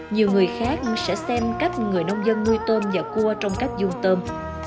nhiều người khác sẽ xem cách người nông dân nuôi tôm và cua trong các dùng tôm